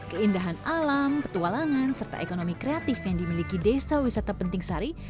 keindahan alam petualangan serta ekonomi kreatif yang dimiliki desa wisata penting sari